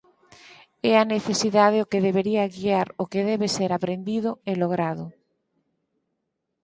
É a necesidade o que debería guiar o que debe ser aprendido e logrado.